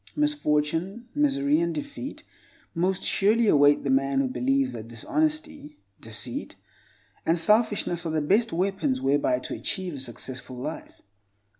Misfortune, misery and defeat most surely await the man who believes that dishonesty, deceit and selfishness are the best weapons whereby to achieve a successful life.